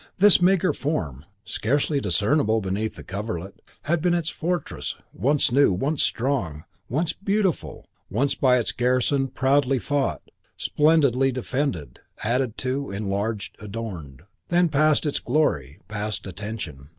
This meagre form, scarcely discernible beneath the coverlet, had been its fortress, once new, once strong, once beautiful, once by its garrison proudly fought, splendidly defended, added to, enlarged, adorned. Then past its glory, past attention.